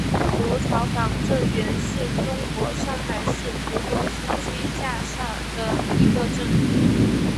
芦潮港镇原是中国上海市浦东新区下辖的一个镇。